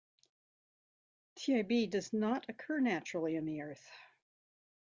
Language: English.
TiB does not occur naturally in the earth.